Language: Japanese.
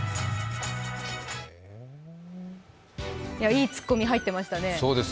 いいツッコミ入ってましたね。